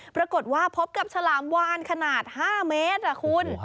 ปรากฏว่าพบกับฉลามวานขนาด๕เมตรคุณ